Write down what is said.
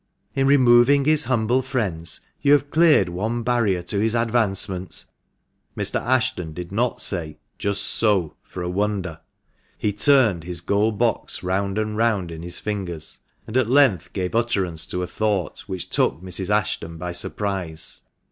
In removing his humble friends you have cleared one barrier to his advancement." Mr. Ashton did not say "Just so!" for a wonder; he turned his gold box round and round in his fingers, and at length gave utterance to a thought which took Mrs. Ashton by surprise.